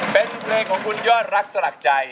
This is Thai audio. เป็นเพลงของคุณยอดรักสลักใจ